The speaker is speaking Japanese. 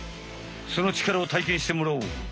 その力をたいけんしてもらおう。